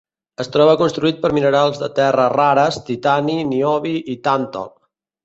Es troba constituït per minerals de terres rares, titani, niobi i tàntal.